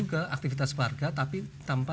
juga aktivitas warga tapi tanpa